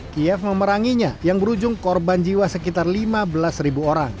kiev memeranginya yang berujung korban jiwa sekitar lima belas ribu orang